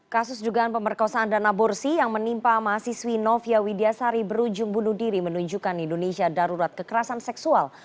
kasus dugaan pemerkosaan dan aborsi yang menimpa mahasiswi novia widiasari berujung bunuh diri menunjukkan indonesia darurat kekerasan seksual